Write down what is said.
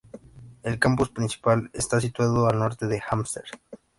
El Campus principal está situado al norte de Amherst.